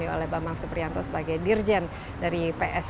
oke tc menarung trabajasi allah kelancar di r re confronted